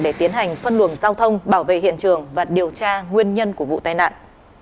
để tiến hành phân luồng giao thông bảo vệ hiện trường và điều tra nguyên nhân của vụ tai nạn